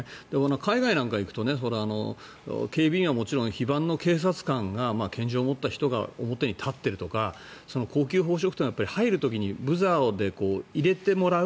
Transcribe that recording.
海外なんかに行くと警備員はもちろん非番の警察官が拳銃を持った人が表に立っているとか高級宝飾店は入る時にブザーで、入れてもらう。